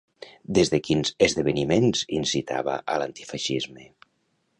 Des de quins esdeveniments incitava a l'antifeixisme?